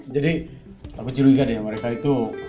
jadi aku curiga deh mereka itu